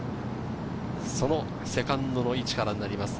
そのセカンドの位置からになります。